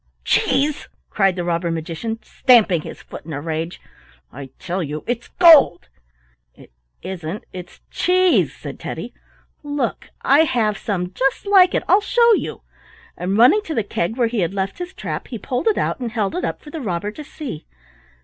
cheese!" cried the robber magician, stamping his foot in a rage; "I tell you it's gold." "It isn't! it's cheese!" said Teddy. "Look! I have some just like it; I'll show you," and running to the keg where he had left his trap he pulled it out and held it up for the robber to see.